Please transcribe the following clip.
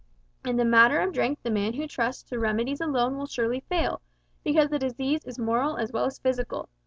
In the matter of drink the man who trusts to remedies alone will surely fail, because the disease is moral as well as physical.